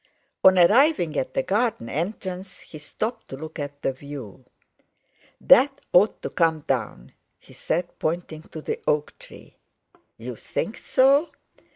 On arriving at the garden entrance, he stopped to look at the view. "That ought to come down," he said, pointing to the oak tree. "You think so?